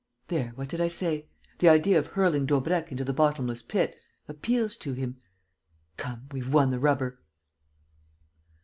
There, what did I say? The idea of hurling Daubrecq into the bottomless pit appeals to him. Come, we've won the rubber."